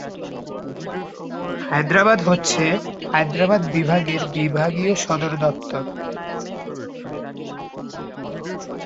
হায়দ্রাবাদ হচ্ছে হায়দ্রাবাদ বিভাগের বিভাগীয় সদর দপ্তর।